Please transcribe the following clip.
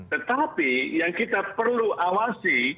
tetapi yang kita perlu awasi